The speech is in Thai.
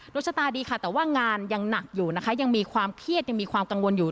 ดวงชะตาดีค่ะแต่ว่างานยังหนักอยู่นะคะยังมีความเครียดยังมีความกังวลอยู่